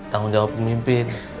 tanggung jawab pemimpin